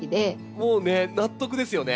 もうね納得ですよね。